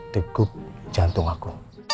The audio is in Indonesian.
tegup jantung aku